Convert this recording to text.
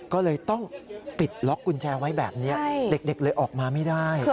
ก็เลยต้องปิดล็อกกุญแจไว้แบบนี้เด็กเลยออกมาไม่ได้